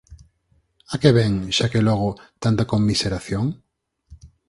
A que vén, xa que logo, tanta conmiseración?